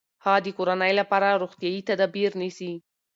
هغه د کورنۍ لپاره روغتیايي تدابیر نیسي.